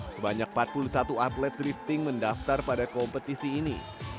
sebanyak empat puluh satu atlet drifting mendaftar pada kompetisi ini